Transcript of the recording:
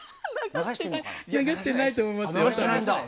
流してないと思いますよ。